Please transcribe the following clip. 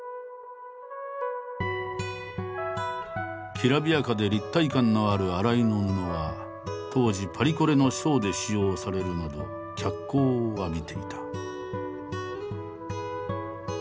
きらびやかで立体感のある新井の布は当時パリコレのショーで使用されるなど脚光を浴びていた。